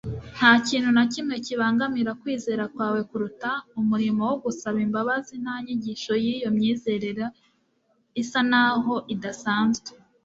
nta kintu na kimwe kibangamira kwizera kwawe kuruta umurimo wo gusaba imbabazi nta nyigisho y'iyo myizerere isa naho idasanzwe